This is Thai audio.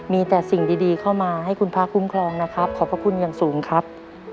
มีแต่สิ่งดีเข้ามาให้คุณพระคุ้มครองนะครับขอบพระคุณอย่างสูงครับ